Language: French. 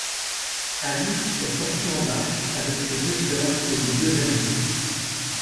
Alice est sortie en barque avec ses deux sœurs et des deux amis.